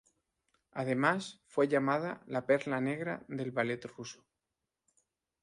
Además, fue llamada "La Perla Negra del Ballet Ruso.